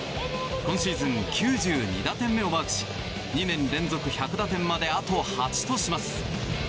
今シーズン９２打点目をマークし２年連続１００打点まであと８とします。